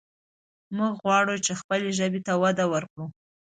موږ غواړو چې خپلې ژبې ته وده ورکړو.